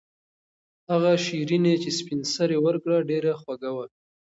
هغه شیرني چې سپین سرې ورکړه ډېره خوږه وه.